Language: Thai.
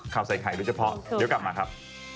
ข่าวใส่ไข่โดยเฉพาะเดี๋ยวกลับมาครับ